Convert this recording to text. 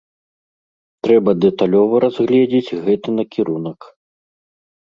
Трэба дэталёва разгледзіць гэты накірунак.